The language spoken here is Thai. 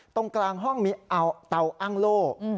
ตรงกลางห้องมีเตาอ้างโล่